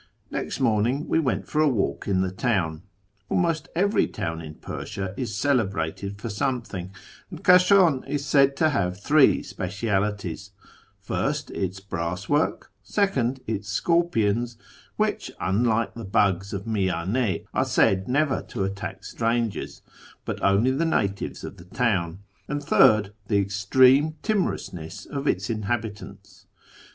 Next morning we went for a walk in tlie town. Almost I every town in Persia is celebrated for something, and Kashan is said to have three specialties : first, its brass work ; second, its scorpions (which, unlike the bugs of Miyane, are said never to attack strangers, but only the natives of the town) ; and third, the extreme timorousness of its inhabitants.